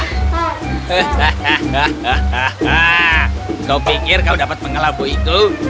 hehehe kau pikir kau dapat mengelabui ku